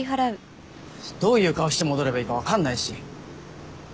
どういう顔して戻ればいいか分かんないし。